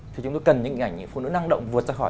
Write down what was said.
thì chúng tôi cần những hình ảnh phụ nữ năng động vượt ra khỏi